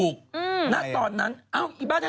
ชาวเด็กเขาว่าอย่างนี้